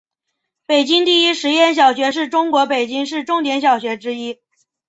北京第一实验小学是中国北京市重点小学之一。